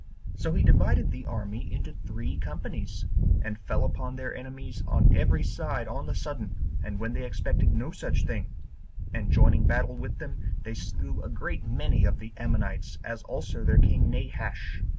So he divided the army into three companies; and fell upon their enemies on every side on the sudden, and when they expected no such thing; and joining battle with them, they slew a great many of the Ammonites, as also their king Nabash.